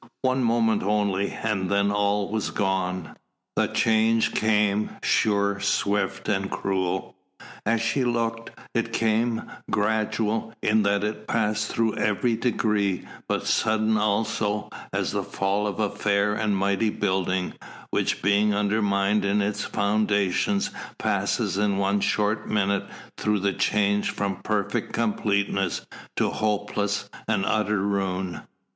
One moment only, and then all was gone. The change came, sure, swift and cruel. As she looked, it came, gradual, in that it passed through every degree, but sudden also, as the fall of a fair and mighty building, which being undermined in its foundations passes in one short minute through the change from perfect completeness to hopeless and utter ruin.